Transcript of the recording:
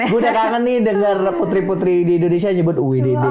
gue udah kangen nih denger putri putri di indonesia nyebut wididit